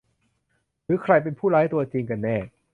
หรือใครเป็นผู้ร้ายตัวจริงกันแน่